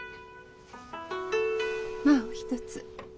まあお一つ。